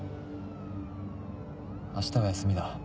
明日は休みだ。